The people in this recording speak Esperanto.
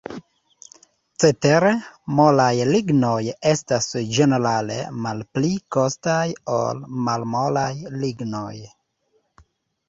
Cetere, molaj lignoj estas ĝenerale malpli kostaj ol malmolaj lignoj.